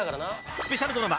［スペシャルドラマ］